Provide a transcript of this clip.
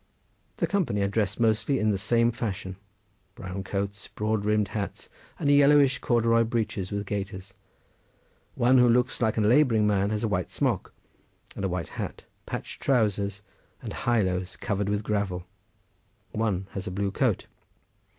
The company are dressed mostly in the same fashion—brown coats, broad brimmed hats, and yellowish corduroy breeches with gaiters. One who looks like a labouring man has a white smock and a white hat, patched trowsers, and highlows covered with gravel—one has a blue coat.